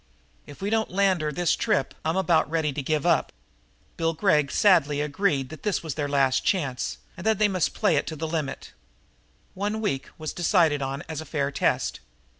If we don't land her this trip, I'm about ready to give up." Bill Gregg sadly agreed that this was their last chance and they must play it to the limit. One week was decided on as a fair test.